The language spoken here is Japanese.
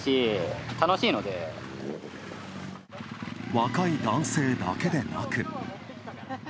若い男性だけでなく。